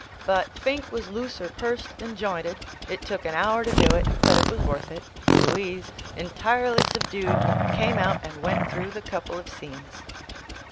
'' But' "Finke" was looser pursed than jointed. It took an hour to do it. but it was worth it. for Louise, entirely subdued, camel out and went through the couple of scenes.